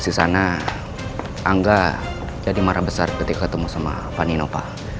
di situ angga jadi marah besar ketika ketemu sama pak nino pak